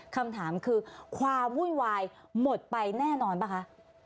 คำถามคือความวุ่นวายหมดไปแน่นอนป่ะคะ